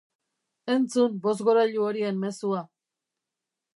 Entzun bozgorailu horien mezua.